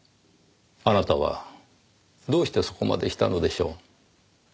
あなたはどうしてそこまでしたのでしょう？